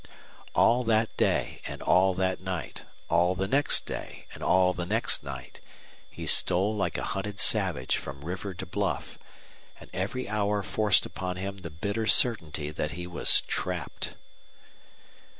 All that day and all that night, all the next day and all the next night, he stole like a hunted savage from river to bluff; and every hour forced upon him the bitter certainty that he was trapped.